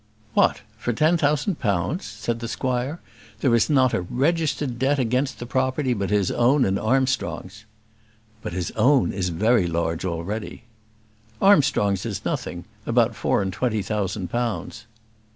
"What! for ten thousand pounds?" said the squire. "There is not a registered debt against the property but his own and Armstrong's." "But his own is very large already." "Armstrong's is nothing; about four and twenty thousand pounds."